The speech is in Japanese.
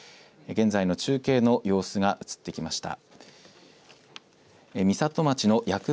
現在の中継の様子が映ってきました。